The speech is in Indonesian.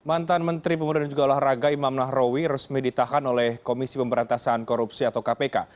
mantan menteri pemuda dan juga olahraga imam nahrawi resmi ditahan oleh komisi pemberantasan korupsi atau kpk